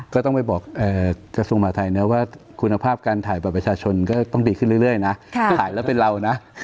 ก็ต้องไปบอกกระทรวงมหาทัยนะว่าคุณภาพการถ่ายบัตรประชาชนก็ต้องดีขึ้นเรื่อยนะถ่ายแล้วเป็นเรานะ